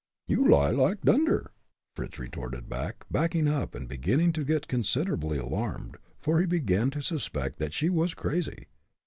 "You lie like dunder!" Fritz retorted, backing up, and beginning to get considerably alarmed, for he began to suspect that she was crazy.